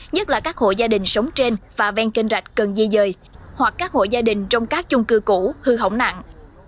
nhất là các hộ gia đình sống trên và ven kênh rạch cần di dời hoặc các hộ gia đình trong các chung cư cũ hư hỏng nặng